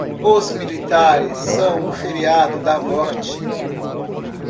Os militares são um feriado da morte.